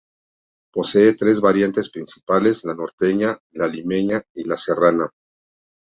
Posee tres variantes principales, la "norteña", la "limeña" y la "serrana".